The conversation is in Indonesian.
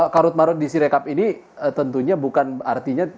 karut marut disirekap ini tentunya bukan artinya